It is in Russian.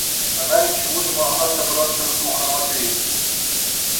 Она ничего не могла собраться с духом ответить.